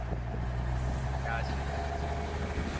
ที่เป็นยาชนิดฉีด